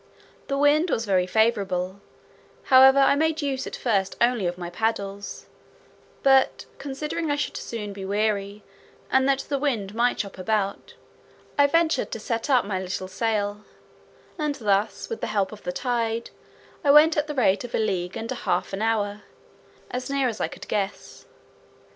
The wind was very favourable; however, I made use at first only of my paddles; but considering I should soon be weary, and that the wind might chop about, I ventured to set up my little sail; and thus, with the help of the tide, I went at the rate of a league and a half an hour, as near as I could guess.